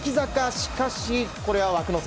しかしこれは枠の外。